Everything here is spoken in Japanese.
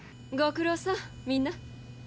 ご苦労さんみんな。